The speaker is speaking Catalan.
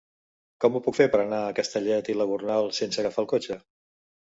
Com ho puc fer per anar a Castellet i la Gornal sense agafar el cotxe?